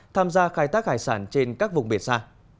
tham gia khai thác hải sản trên các vùng biển xa